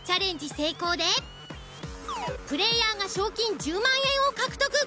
成功でプレイヤーが賞金１０万円を獲得。